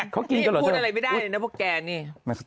พวกแกนี่พูดอะไรไม่ได้